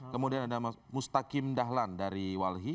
kemudian ada mustaqim dahlan dari walhi